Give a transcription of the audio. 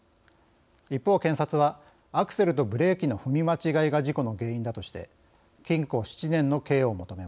一方検察はアクセルとブレーキの踏み間違いが事故の原因だとして禁錮７年の刑を求めました。